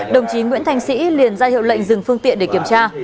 đồng chí nguyễn thanh sĩ liền ra hiệu lệnh dừng phương tiện để kiểm tra